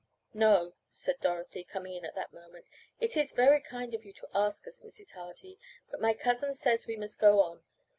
"No," said Dorothy, coming in at that moment, "it is very kind of you to ask us, Mrs. Hardy, but my cousin says we must go on.